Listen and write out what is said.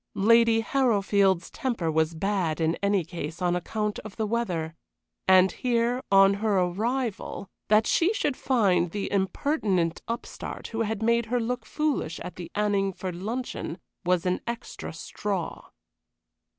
Lady Harrowfield's temper was bad in any case on account of the weather, and here, on her arrival, that she should find the impertinent upstart who had made her look foolish at the Anningford luncheon, was an extra straw.